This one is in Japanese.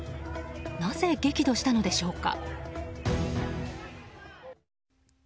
なぜ激怒したのでしょうか。